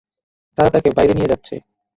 তারা তাকে বাইরে নিয়ে যাচ্ছে।